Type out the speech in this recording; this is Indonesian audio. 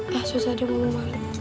ah susah deh mau ngomong